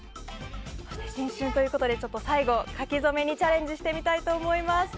新春ということで最後、書き初めにチャレンジしたいと思います。